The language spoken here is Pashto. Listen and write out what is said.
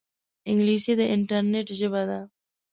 انګلیسي د انټرنیټ ژبه ده